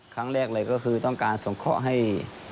ครั้งแรกเลยก็คือต้องการส่งเคราะห์ให้